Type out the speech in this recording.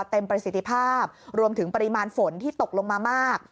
ประสิทธิภาพรวมถึงปริมาณฝนที่ตกลงมามาก